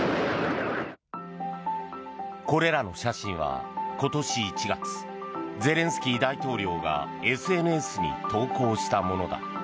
これらの写真は今年１月ゼレンスキー大統領がＳＮＳに投稿したものだ。